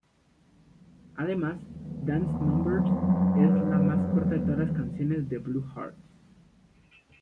Además, "Dance Number" es la más corta de todas las canciones The Blue Hearts.